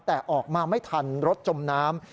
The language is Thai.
แต่ออกมาไม่ทันรถจมน้ำ